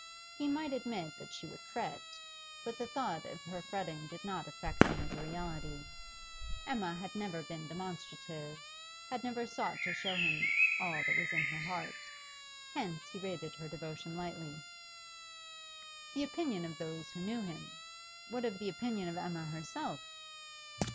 He might admit that she would 'fret,' but the thought of her fretting did not affect him as a reality. Emma had never been demonstrative, had never sought to show him all that was in her heart; hence he rated her devotion lightly. The opinion of those who knew him! What of the opinion of Emma herself?